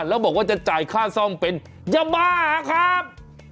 แล้วบอกว่าจะจ่ายค่าซ่อมเป็นยาบ้าครับ